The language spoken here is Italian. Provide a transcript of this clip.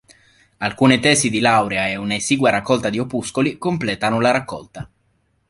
Alcune tesi di laurea e una esigua raccolta di opuscoli completano la raccolta.